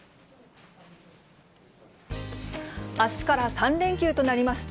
あすから３連休となります。